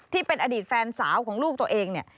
ที่เป็นอดีตแฟนสาวของลูกตัวเองเนี่ย